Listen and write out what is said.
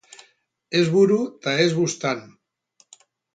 Ez buru eta ez buztan.